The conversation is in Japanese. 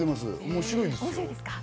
面白いです。